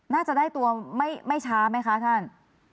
น่าจะได้ตัวไม่ช้าไหมคะท่าน